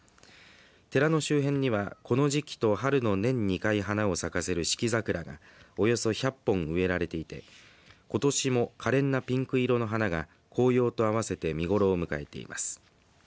寺の周辺には、この時期と春の年２回花を咲かせる四季桜がおよそ１００本植えられていてことしもかれんなピンク色の花が紅葉と合わせて見頃を迎えています。